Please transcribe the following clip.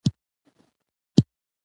داخل په هدیره شو د زاړه قبر تر څنګ.